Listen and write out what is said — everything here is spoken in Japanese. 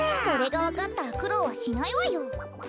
それがわかったらくろうはしないわよ。